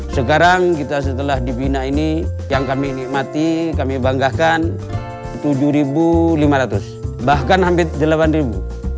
sekarang kita setelah dibina ini yang kami nikmati kami banggakan tujuh lima ratus bahkan hampir delapan ribu